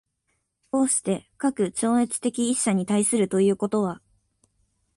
而して、かく超越的一者に対するということは、